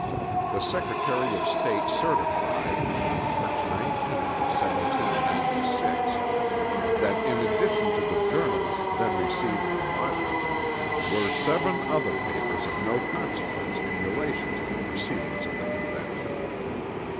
The Secretary of State certified, March 19th, 1796, that in addition to the Journals then received from Washington "were seven other papers of no consequence in relation to the proceedings of the Convention."